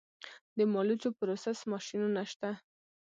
د مالوچو پروسس ماشینونه شته